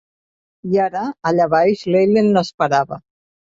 I ara, allà baix, l'Eileen l'esperava.